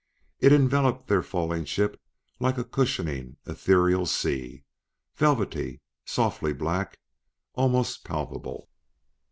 It enveloped their falling ship like a cushioning, ethereal sea: velvety, softly black, almost palpable.